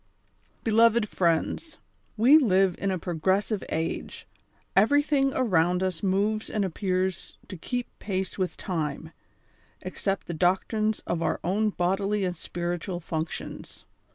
ELOYED FRIEXDS :— We live in a progressive age— everything around us moves and appears to keep pace with time, except the doctrines of our own bodily and spiritual functions.